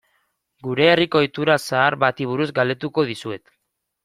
Gure herriko ohitura zahar bati buruz galdetuko dizuet.